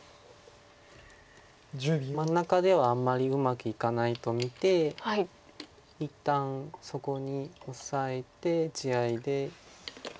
真ん中ではあんまりうまくいかないと見て一旦そこにオサえて地合いで。